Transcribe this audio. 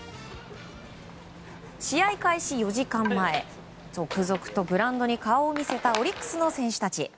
試合開始４時間前続々とグラウンドに顔を見せたオリックスの選手たち。